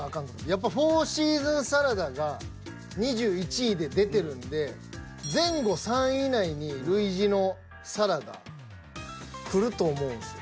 やっぱフォーシーズンサラダが２１位で出てるんで前後３位以内に類似のサラダくると思うんですね。